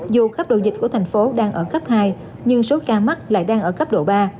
dù cấp độ dịch của tp hcm đang ở cấp hai nhưng số ca mắc lại đang ở cấp độ ba